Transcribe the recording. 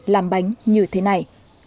làm bánh như thế này